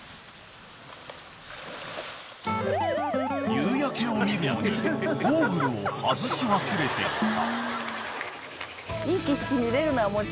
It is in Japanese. ［夕焼けを見るのにゴーグルを外し忘れていた］